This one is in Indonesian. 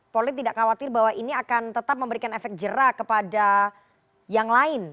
polri tidak khawatir bahwa ini akan tetap memberikan efek jerah kepada yang lain